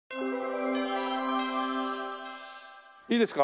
いいですか？